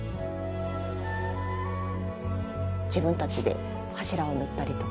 自分たちで柱を塗ったりとか。